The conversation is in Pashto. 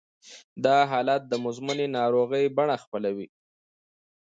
دا حالت د مزمنې ناروغۍ بڼه خپلوي